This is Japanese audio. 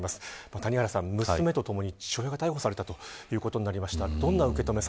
谷原さん、娘とともに父親が逮捕されたことになりました。